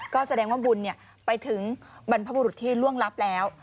ก็แสดงว่าบุญไปถึงบรรพบุรุษที่ล่วงลับแล้ว